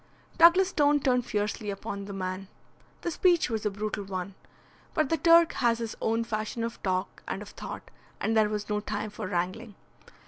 Douglas Stone turned fiercely upon the man. The speech was a brutal one. But the Turk has his own fashion of talk and of thought, and there was no time for wrangling.